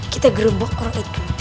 kita gerbok orang itu